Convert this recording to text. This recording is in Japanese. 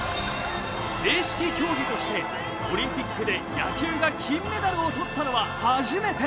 正式競技としてオリンピックで野球が金メダルをとったのは初めて。